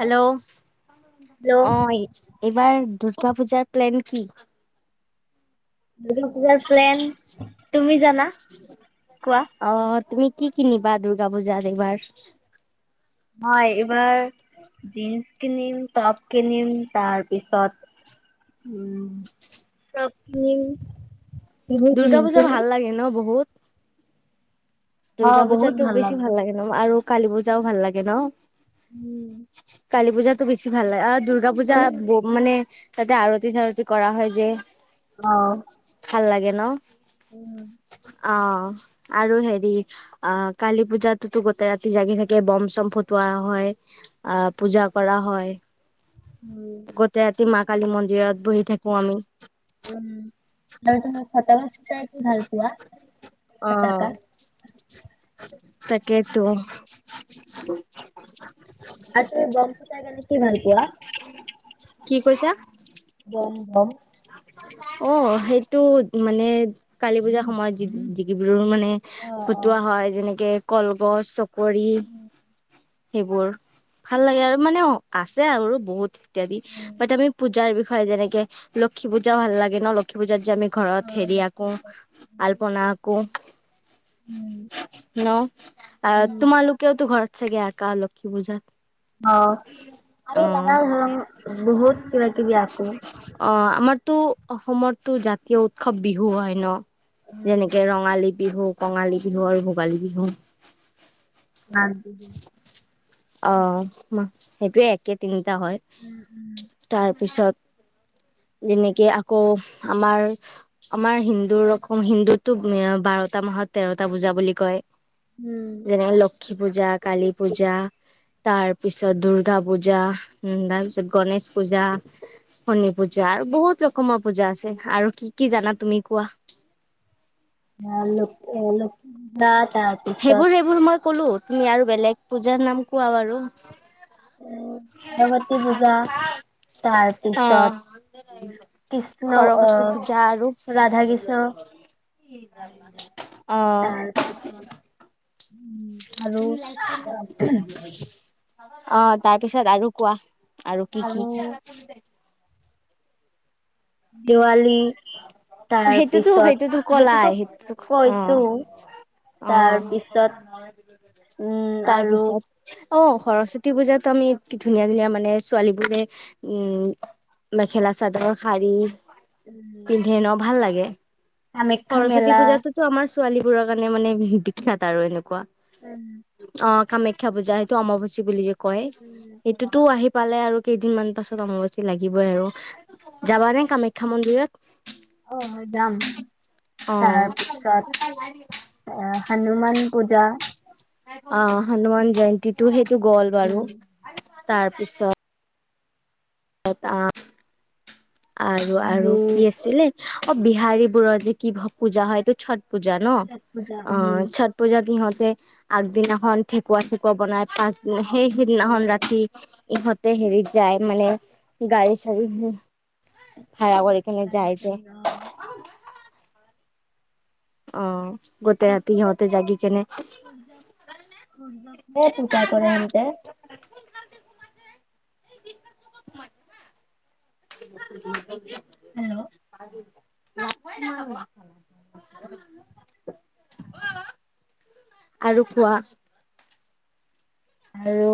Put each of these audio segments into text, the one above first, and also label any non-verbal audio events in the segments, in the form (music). Hello hello অ', এইবাৰ দুৰ্গা পূজাত প্লেন কি? (unintelligible) পূজাৰ প্লেন তুমি জানা, কোৱা? অ তুমি কি কিনিবা দুৰ্গা পূজাত এইবাৰ? হয় এইবাৰ জিন্স কিনিম, টপ কিনিম তাৰপিছত উম, ফ্ৰক কিনিম। এইবোৰ দুৰ্গা কিনিম। পূজা তুমি? ভাল লাগে ন' বহুত। দুৰ্গা অ' বহুত পূজাতো বেছি লাগিব। ভাল লাগে ন' আৰু কালী পূজাও ভাল লাগে ন'? উম। কালী পূজাতটো বেছি ভাল লাগে আৰু দুৰ্গা ভাল পূজা ব মানে তাতে আৰতি চাৰতি কৰা হয় যে। অহ। ভাল লাগে ন? উম। অ', আৰু হেৰি অ', কালী পূজাততো গোটেই ৰাতি জাগি থাকে। বম চম ফুটোৱা হয়, আহ পূজা কৰা হয়। উম, গোটেই ৰাতি মাক কালী মন্দিৰত বহি থাকো আমি। উম (unintelligible) তই কি ভাল পোৱা? ফটকা। অ'। তাকেইতো। (unintelligible) বম ফুটাই কেনে কি ভাল পোৱা? কি কৈছা গম গম। অ', সেইটো মানে কালী পূজাৰ সময়ত (unintelligible) মানে। ফুটোৱা অ'। হয় যেনেকে কলগছ। কৰি সেইবোৰ ভাল লাগে আৰু মানে আছে আৰু বহুত। ইত্যাদি উম। বাট আমি পূজাৰ হয়, যেনেকে লক্ষী পূজা ভাল লাগে ন লক্ষী পূজা যে আমি ঘৰত হেৰি অ' আকোঁ আলপনা আকোঁ। উম, ন' উম তোমালোকেও টো চাগে আকা লক্ষী পূজা অ', আমি নানা ধৰনৰ বহুত কিবা কিবি আকোঁ। অ আমাৰতো অসমতো জাতীয় উৎসৱ বিহু হয় ন'। উম, যেনেকে ৰঙালী বিহু। কঙালী বিহু আৰু ভোগালী বিহু। মাঘ বিহু। অ', হম। সেইটোৱে একে টিং নহয়, তাৰ পিছত। যেনেকে আকৌ আমাৰ আমাৰ হিন্দুৰ ৰকম হিন্দুতটো বাৰটা মাহত তেৰটা পূজা বুলি কয়। উম, যেনে লক্ষী পূজা, কালী পূজা। তাৰ পিছত দূৰ্গা পূজা, উম, তাৰ পিছত গণেশ পূজা, শনি পূজা আৰু বহুত ৰকমৰ পূজা আছে আৰু কি কি জানা তুমি কোৱা। (unintelligible) না তাৰ সেইবোৰ পিছত। সেইবোৰ মই ক'লো তুমি আৰু বেলেগ পূজাৰ নাম কোৱা বাৰু। উ, ভৰৱতী পূজা তাৰ অ', পিছত কৃষ্ণ সৰস্বতী অ', পূজা আৰু ৰাধা কৃষ্ণ অ তাৰ অ'। তুমি লেতা অ', তাৰ পিছত আৰু কোৱা। আৰু কি, কি? দেৱালী সেইটোতো সেইটোতো কলাই সেইটোক কৈছো অ', অ', তাৰপিছত উম, আৰু তাৰপিছত অ', সৰস্বতী পূজাত আমি ধুনীয়া ধুনীয়া মানে ছোৱালীবোৰে উম, মেখেলা-চাদৰ, শাৰী উম, পিন্ধে ন' ভাল লাগে। কামাখ্যা সৰস্বতী মেলা পূজাতোতো আমাৰ ছোৱালীবোৰৰ কাৰণে মানে বিশেষ বিখ্যাত আৰু এনেকুৱা। উম, অ'। কামাখ্যা পজা সেইটো অমাবচি বুলিয়ে কয় উম এইটোতো আহি পালে আৰু কেইদিনমান পাছত অমবচি লাগিবই আৰু যাবা নে কামাখ্যা মন্দিৰত? অ তাৰ পিছত আহ হনুমান পূজা। (inaudible) অ', হনুমান জয়ন্তি টো সেইটো গ'ল বাৰু। উম তাৰপিছত এটা অ'। আৰু আৰু কি আছিলে। অ', বিহাৰী বোৰত যে কিবা পূজা হয় এইটো চট পূজা ন' ছট পূজা উম অ', ছাত পূজা ইহঁত আগদিনাখন ঠেকুৱা চেকুৱা বনাই পাচ সেই সিদনাখন উম, ৰাতি ইহঁতে হেৰিত যায় মানে গাড়ী চাড়ী ভাৰা কৰিকেনে যাই যে। তাৰপিছত অ অ'। গোটেই ৰাতি তাতকো সিহঁতে তাতকো জাগি কেনে সূৰ্যক সূৰ্যক পূজা কৰে হেনতে ক'ত খোমাইচু হা হেল্ল' (unintelligible) (inaudible) আৰু কোৱা। আৰু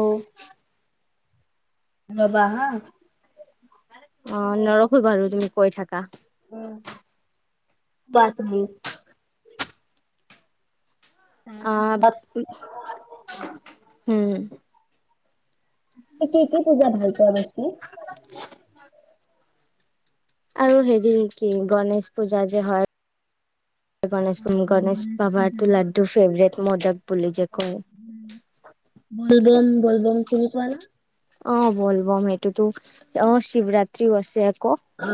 ৰ'বা হা। অ', নৰখো বাৰু তুমি কৈ থাক উম। বাত ন'। অ'। উম। কি কি পুজা ভাল পোৱা ৰুচি? (inaudible) আৰু হেৰি কি গণেশ পূজা যে হয়। গণেশ অ', গণেশ পূজা বাবাৰটো লাডু ফেভৰেট। মদক বুলি যে কয় বলবম, বলবম তুমি কোৱা না। অ', বল বম সেইটোতো অ', শিৱৰাত্ৰিও আছে। ক অ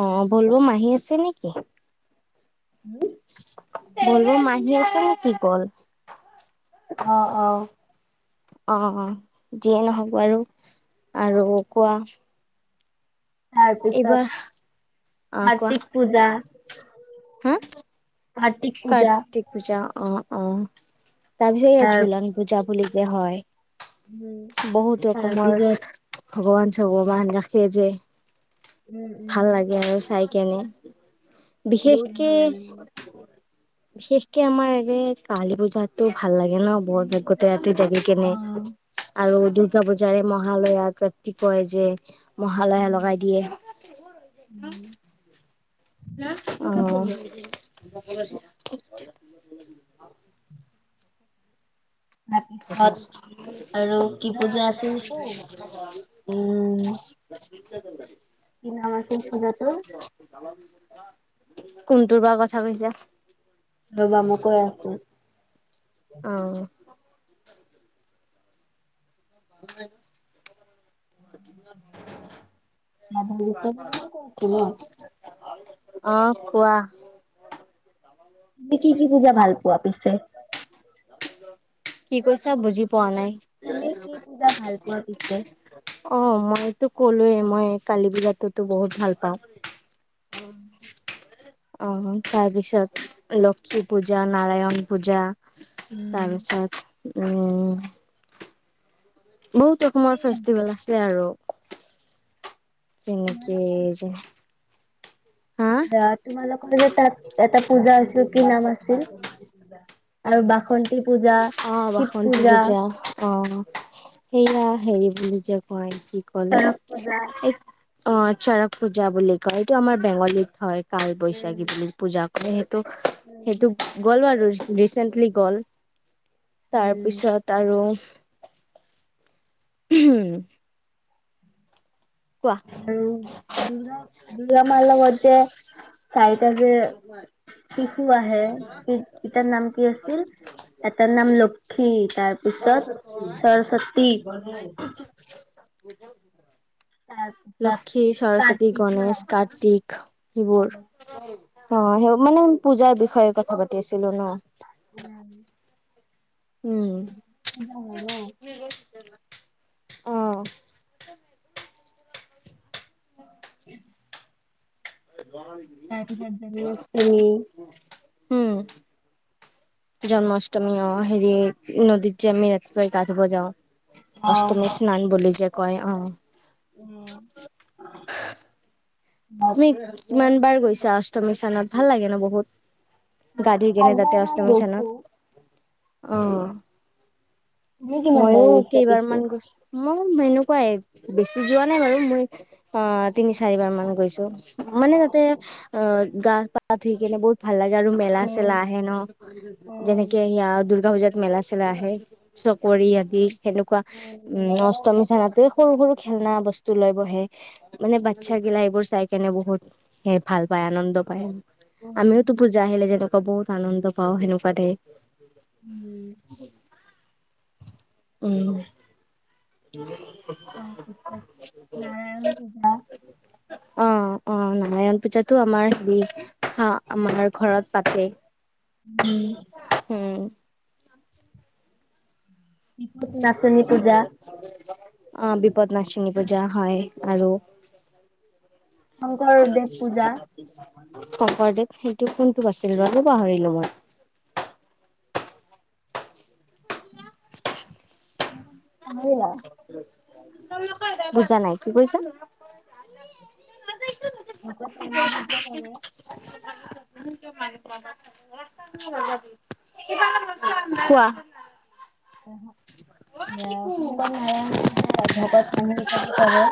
অ', বল বম আহি আছে নেকি? (inaudible) উম বলো মাহী আছে নেকি গ'ল? অ', অ'। অ', অ', যিয়ে ন'হওক বাৰু আৰু কোৱা? এইবাৰ তাৰপিছত অ', কোৱা কাৰ্তিক পূজা হা। কাৰ্তিক পূজা কাৰ্তিক পূজা অ', অ। তাৰপিছত এয়া তাৰ জোলান পূজা বুলি তে হয়। উম। বহুত ৰকোমৰ তাৰপিছত ভগৱান চগৱান ৰাখে যে। উম, ভাল উম। লাগে আৰু চাই কেনে বহুত বিশেষকে ভাল লাগে মোৰ বিশেষকে আমাৰ এই কালী পূজাতো হে ভাল লাগে ন' কালী বৰত ৰাশি গোট পূজাতো ৰাতি জাগি কেনে। অ', আৰু দুৰ্গা পূজাৰে মহালয় আগত কি কৰে যে মহালয়ে উম, লগাই দিয়ে। উম, অ (inaudible) তাৰপিছত আৰু কি পূজা আছিল টো উম (inaudible) (inaudible) কি নাম আছিল পূজাটোৰ কোনটোৰ বা কথা কৈছা? ৰ'বা মই কৈ আছো। অ (inaudible) কোন হৈ এইটো? কৰিছো ন'। অ', কোৱা। তুমি কি কি পুজা ভাল পোৱা পিছে? কি কৈছা বুজি পোৱা নাই তুমি কি পূজা ভাল পোৱা পিছে? অ', মই টো ক'লোৱে মই কালি বিলাটোতো বহুত ভাল পাওঁ। অ'। অ', তাৰ পিছত লক্ষী পূজা, নাৰায়ণ পূজা। উম। তাৰপিছত উম। বহুত ৰকমৰ এই ফেষ্টিভেল আছে আৰু। যেনেকেই তোমালোকৰ যে হা দা তোমালোকৰ যে তাত এটা পূজা আছিল কি নাম আছিল? আৰু বাসন্তি পূজা, অ', শিৱ বাসন্তী পূজা। অ', সেয়া হেৰি বুলি যে কয়। কি কল চৰক পূজা এই অ', চৰক পূজা বুলি কয়, এইটো আমাৰ বেংগলীত হয়। কাল উম বৈশাখী বুলি পূজা। (inaudible) ত' সেইটো গ'লো আৰু ৰিচেণ্টলিক গ'ল। তাৰ উম পিছত আৰু উম। আৰু দুৰ্গা দুৰ্গা মাৰ লগ যে চাৰিটা যে শিশু আহে ইটাৰ নাম কি আছিল, এটাৰ নাম লক্ষী তাৰপিছত সৰস্বতী। (inaudible) তাৰপিছত লক্ষী, সৰস্বতী, কাৰ্তিক ন গণেশ, কাৰ্তিক সিবোৰ। অ', সেই মানে পূজাৰ বিষয়ে কথা পাতি আছিলো ন। উম। উম। ন (inaudible) অ। (inaudible) তাৰ পিছত বেলেগৰ তুমি উম। জন্মাষ্টমী অ', হেৰি নদীত যে আমি ৰাতিুপোৱা গা ধুব যাওঁ। অ অষ্টমী স্নান বুলি কয় অ'। উম তুমি মই ইমান বাৰ গৈছা অষ্টমী স্থানত ভাল লাগে ন' বহুত? গা ধুই কেনে তাতে পাঁচবাৰ মান অষ্টমী চানত, গৈছো অ', তুমি কিমান ময়ো বাৰু লৈছা পিছে? কেইবাৰমান গৈছো ময়ো (unintelligible) বেছি যোৱা নাই বাৰু মই অ', তিনি চাৰিবাৰ মান গৈছো। মানে মতে অ'। গা পা ধুইকেনে বহুত ভাল লাগে আৰু মেলা উম, চেলা আহে ন' উম, যেনেকে সেয়া দুৰ্গা পূজাত মেলা চেলা আহে চকৰি আদি। এনেকুৱা উম অষ্টমী চাৰাটো সৰু সৰু খেলনা বস্তু লৈ বহে, মানে বাচ্চা গিলাই এইবোৰ চাই এনে বহুত সেই ভাল পায়, আনন্দ পায়। উম, আমিওতো পূজা আহিলে যেনেক বহুত আনন্দ পাওঁ সেনেকুৱা দে উম, উম। উম। (inaudible) নাৰায়ণ পূজা। অ', অ', নালাগে। পূজাতো আমাৰ হেৰী। অ'। আমাৰ ঘৰত পাতে, উম উম। ত্ৰিপতি নাচনী পূজা অ', বিপদনাচমী পূজা হয়। আৰু শংকৰদেৱ পূজা শংকৰদেৱ সেই তোক কোনটোক আছিল বা পাহৰিলো মই থছ অ' তই নকয়, বুজা নাই কি কৈছা। মোক বাগৰা কোৱা, এয়া শংকৰ নাৰায়ণ পূজা ভকত আনি যে কৰে,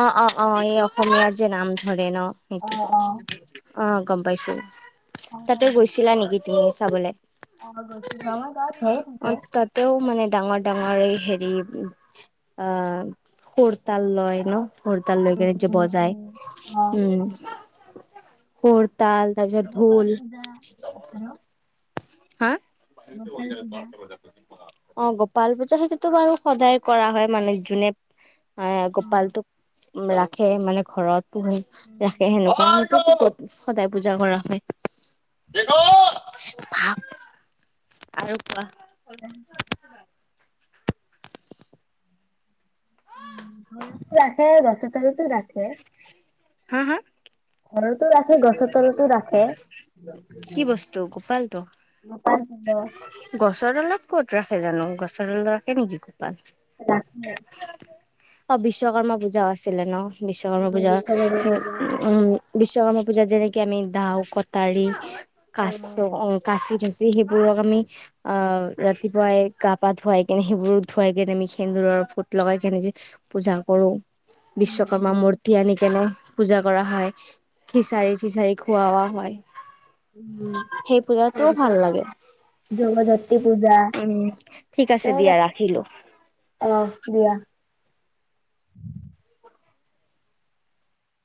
অ অ' এই অসমীয়াৰ যে নাম ধৰে, ন অ সেইটো অ অ' গম পাইছোঁ। তাতে শংকৰদেৱ গৈছিলা নেকি? তেতি চাবলৈ অ গছ গাম গাঁওত ভয় অ তাক তাতেও মানে ডাঙৰ ডাঙৰ হেৰি অ সুৰতাল লয় ন সুৰতাল লয় উম কেনে যে উম বজাই উম অ উম! হয়! তাল তাৰপিছত গোপাল ঢোল। পূজা আছে ন হা বাহিৰতে বহি গোপাল থাকে পূজা বাৰটা বজালৈকে। অ গোপাল পূজা সেইটোতো বাৰু সদায় কৰা হয় মানে যোনে অ গোপালটো উম উ ৰাখে মানে ঘৰত, পুৰা ৰাখে উম সেনেকুৱা সদায় পূজা কৰা হয় ভাব আৰু কোৱা উ ঘৰটো আছে বাছ ৰাখে, হা হা ঘতো ৰাখে গছৰ তলতো ৰাখে, কি বস্তু গোপালটো? অ' গছৰ ডালত ক'ত ৰাখে জানো গছৰডালত ৰাখে নেকি? গোপাল ৰাখে, অ বিশ্বকৰ্মা পূজা আছিলে ন বিশ্বকৰ্মা উম পূজা বিশ্বকৰ্মা সেই পূজা উম! বিশ্বকৰ্মা পূজা যেনেক আমি দাও কটাৰী অ কাচ উম অ কাচি যি সেইবোৰক আমি আহ ৰাতিপুৱাই গা পা ধুৱাই কেনে সেইবোৰ ধুৱাই কেনে আমি সেন্দুৰৰ ফুট লগাই কেনে যে, পূজা কৰোঁ। বিশ্বকৰ্মা উম মূৰ্তি আনি কেনে, পূজা কৰা হয় খিচাৰি চিচাৰি খুৱা হয় উম, সেই পূজাটোও ভাল লাগে তাৰপিছত জগজাতি পূজা, উম ঠিক আছে দিয়া ৰাখিলো জগজাত অ', দিয়া। (inaudible)